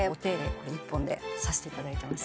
これ１本でさせていただいてます